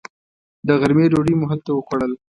د غرمې ډوډۍ مو هلته وخوړل.